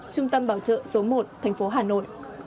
trung tâm bảo trợ số một thành phố hà nội